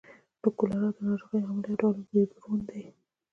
د کولرا د نارغۍ عامل یو ډول ویبریون دی.